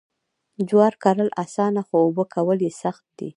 جوار کرل اسانه خو اوبه کول یې سخت دي.